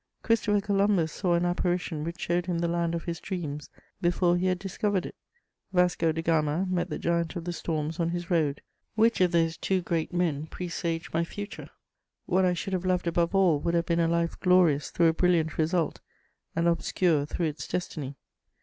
Christopher Columbus saw an apparition which showed him the land of his dreams before he had discovered it; Vasco de Gama met the giant of the storms on his road: which of those two great men presaged my future? What I should have loved above all would have been a life glorious through a brilliant result, and obscure through its destiny.